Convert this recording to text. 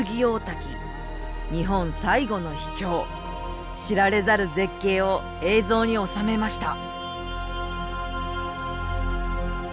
日本最後の秘境知られざる絶景を映像に収めました。